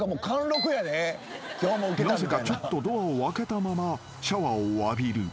［なぜかちょっとドアを開けたままシャワーを浴びる］